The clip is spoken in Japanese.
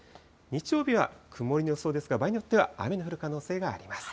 日曜日は曇りの予想ですが、場合によっては雨の降る可能性があります。